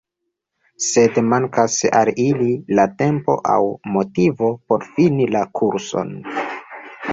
Sed mankas al ili la tempo aŭ motivo por fini la kurson.